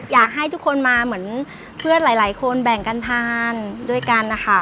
อยากให้ทุกคนมาเหมือนเพื่อนหลายคนแบ่งกันทานด้วยกันนะคะ